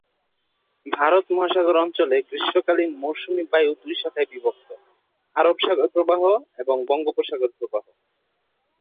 ভারত মহাসাগর অঞ্চলে গ্রীষ্মকালীন মৌসুমি বায়ু দুই শাখায় বিভক্ত: আরব সাগর প্রবাহ এবং বঙ্গোপসাগর প্রবাহ।